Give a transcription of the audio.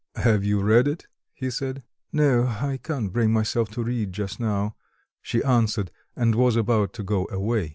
"Have you read it?" he said. "No; I can't bring myself to read just now," she answered, and was about to go away.